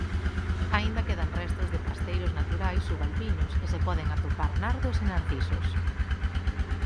Aínda quedan restos de pasteiros naturais subalpinos e se poden atopar nardos e narcisos.